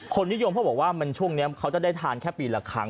นิยมเขาบอกว่ามันช่วงนี้เขาจะได้ทานแค่ปีละครั้ง